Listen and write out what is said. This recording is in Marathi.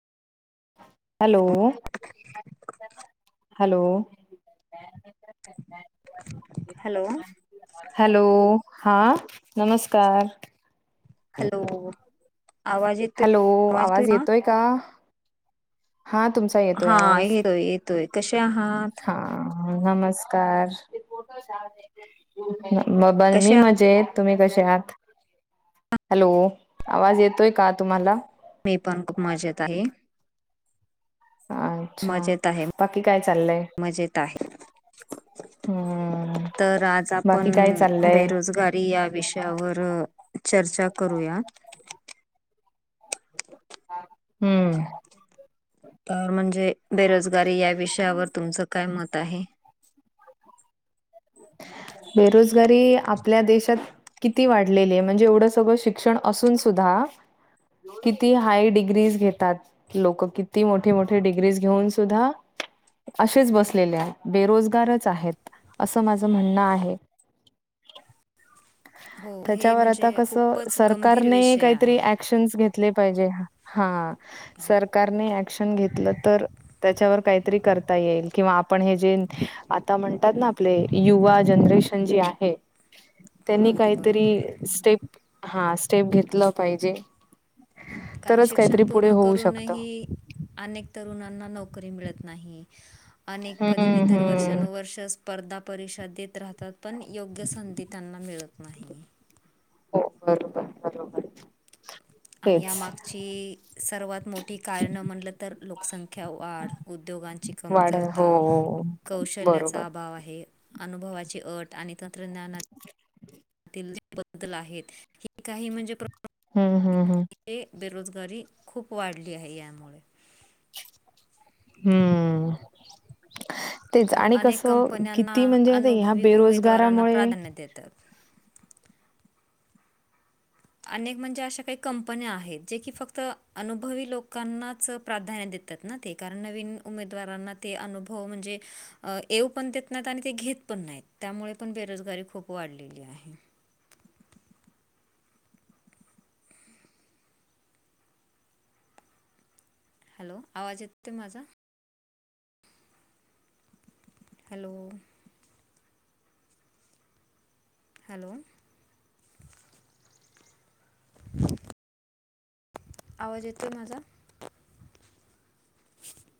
हॅलो हॅलो हॅलो हॅलो हा नमस्कार हॅलो हॅलो आवाज येतोय का हा तुमचा येतोय हा आवाज येतोय येतोय कसे आहात हा नमस्कार ब कसे मी आहात? मजेत तुम्ही कसे आहात हॅलो आवाज येतोय का तुम्हाला मी पण खूप मजेत आहे अच्छा मेत आहे बाकी काय चाललंय मजेत आहे हम्म तर आज बाकी आपण काय चाललंय बेरोजगार तरी या विषयावर चर्चा करूया हम्म तर म्हणजे बेरोजगारी या विषयावर तुमचं काय मत आहे बेरोजगारी आपल्या देशात किती वाढलेले म्हणजे एवढं सगळं शिक्षण असून सुद्धा किती हाय डिग्रीज घेतात लोक किती मोठे मोठे डिग्रीज घेऊन सुद्धा असेच बसलेले आहेत बेरोजगारच आहेत अस माझं म्हणणं आहे हो हे त्याच्यावर आता म्हणजे कस खूपच गंभीर सरकारने विषय काहीतरी आहे घेतले पाहिजे हा सरकारने ऍक्शन घेतलं तर त्याच्यावर काहीतरी करता येईल किंवा आपण हे जे आता म्हणतात ना आपले युवा जनरेशन जे आहे त्यांनी अगदी काहीतरी बरोबर स्टेप हा स्टेप घेतलं पाहिजे कारण तरच शिक्षण काहीतरी पुढे पूर्ण होऊ शकत करूनही अनेक तरुणांना नोकरी मिळत नाही अनेक पदवी हम्म तर हम्म वर्षानुवर्ष स्पर्धा परीक्षा देत राहतात पण योग्य संधी त्यांना मिळत नाही हो बरोबर बरोबर आणि तेच यामागची सर्वात मोठी कारणं म्हटलं तर लोकसंख्या वाढ उद्योगांची वाढ हो कमतरता कौशल्याचा बरोबर अभाव आहे अनुभवाची अट आणि तंत्रज्ञानाची [inaudible] काही म्हणजे हा हा हा ते बेरोजगारी खूप वाढली आहे यामुळे हम्म तेच कारण आणि अनेक कसं कंपन्यांना किती म्हणजे ह्या अनुभवी उमेदवारांना बेरोजगारामुळे प्राधान्य देतात अनेक म्हणजे अशा काही कंपन्या आहेत जे की फक्त अनुभवी लोकांनाच प्राधान्य देत त ना ते कारण नवीन उमेदवारांना ते अनुभव म्हणजे येऊ पण देत नाहीत आणि ते घेत पण नाहीत त्यामुळे पण बेरोजगारी खूप वाढलेली आहे हॅलो आवाज येतो माझा हॅलो हॅलो आवाज येतोय माझा [inaudible]